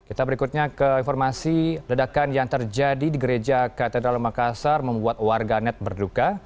kita berikutnya ke informasi ledakan yang terjadi di gereja katedral makassar membuat warga net berduka